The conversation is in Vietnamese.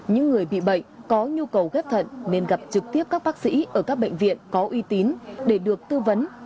những người bị bệnh có nhu cầu ghép thận nên gặp trực tiếp các bác sĩ ở các bệnh viện có uy tín để được tư vấn